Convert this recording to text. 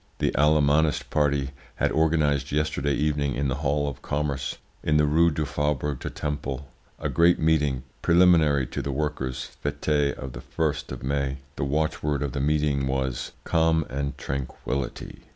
'" "The Allemanist party had organised yesterday evening, in the Hall of Commerce, in the Rue du Faubourg du Temple, a great meeting, preliminary to the workers' fete of the 1st of May. The watchword of the meeting was `Calm and Tranquillity!'